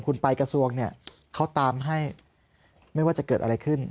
คุณไปกระทรวงเนี่ยเขาตามให้ไม่ว่าจะเกิดอะไรขึ้น